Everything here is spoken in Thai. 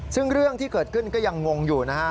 ซึ่งเรื่องที่เกิดขึ้นก็ยังงงอยู่นะฮะ